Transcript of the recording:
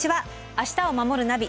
「明日をまもるナビ」